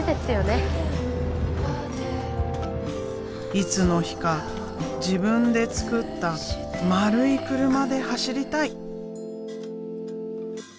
いつの日か自分で作った丸い車で走りたい！